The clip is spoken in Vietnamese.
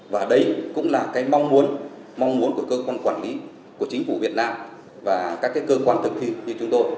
và đấy cũng là cái mong muốn mong muốn của cơ quan quản lý của chính phủ việt nam và các cơ quan thực thi như chúng tôi